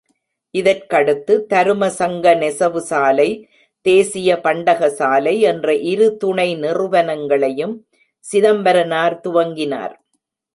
இதற்கடுத்து, தரும சங்க நெசவு சாலை, தேசிய பண்டக சாலை என்ற இரு துணை நிறுவனங்களையும் சிதம்பரனார் துவங்கினார்.